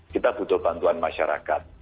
kita butuh bantuan masyarakat